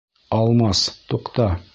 Алмас, туҡта!